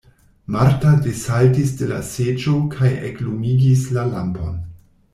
Marta desaltis de la seĝo kaj eklumigis la lampon.